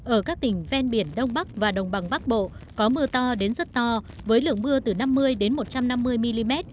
ở các tỉnh ven biển đông bắc và đồng bằng bắc bộ có mưa to đến rất to với lượng mưa từ năm mươi đến một trăm năm mươi mm